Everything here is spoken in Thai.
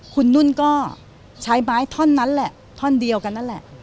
คุณนุ่นก็ใช้ไม้ท่อนนั้นแหละท่อนเดียวกันนั่นแหละ